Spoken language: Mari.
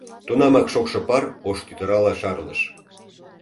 Тунамак шокшо пар ош тӱтырала шарлыш.